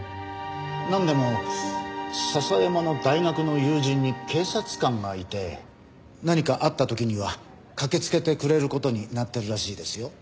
なんでも笹山の大学の友人に警察官がいて何かあった時には駆けつけてくれる事になってるらしいですよ。